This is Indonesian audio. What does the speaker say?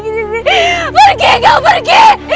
di sini pergi kau pergi